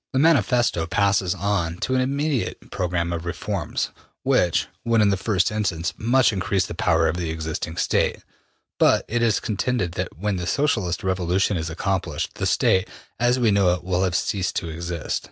'' The Manifesto passes on to an immediate program of reforms, which would in the first instance much increase the power of the existing State, but it is contended that when the Socialist revolution is accomplished, the State, as we know it, will have ceased to exist.